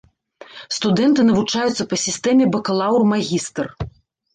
Студэнты навучаюцца па сістэме бакалаўр-магістр.